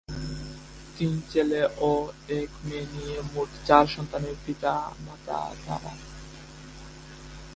তিন ছেলে ও এক মেয় নিয়ে মোট চার সন্তানের পিতা-মাতা তারা।